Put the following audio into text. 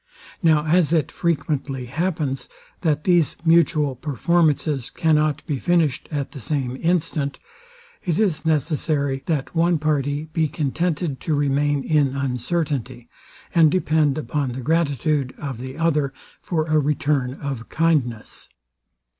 Now as it frequently happens, that these mutual performances cannot be finished at the same instant, it is necessary, that one party be contented to remain in uncertainty, and depend upon the gratitude of the other for a return of kindness.